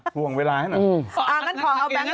ขาวเวลาให้หนึ่ง